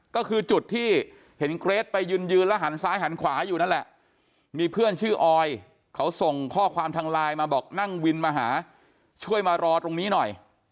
ก็คือจุดที่เห็นเกรทไปยืนยืนแล้วหันซ้ายหันขวาอยู่นั่นแหละมีเพื่อนชื่อออยเขาส่งข้อความทางไลน์มาบอกนั่งวินมาหาช่วยมารอตรงนี้หน่อย